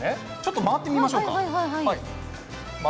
回ってみましょうか。